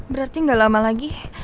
berarti gak lama lagi